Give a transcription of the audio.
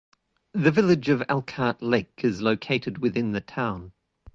The village of Elkhart Lake is located within the town.